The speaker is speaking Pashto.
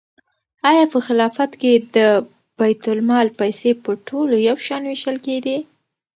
آیا په خلافت کې د بیت المال پیسې په ټولو یو شان وېشل کېدې؟